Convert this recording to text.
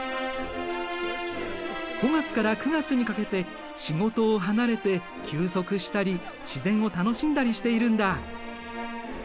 ５月から９月にかけて仕事を離れて休息したり自然を楽しんだりしているんだ。